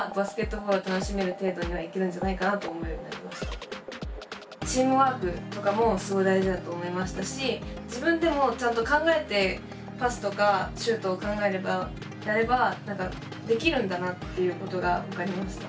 何か動画を見てチームワークとかもすごい大事だと思いましたし自分でもちゃんと考えてパスとかシュートを考えればやればできるんだなっていうことが分かりました。